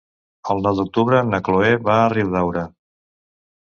El nou d'octubre na Cloè va a Riudaura.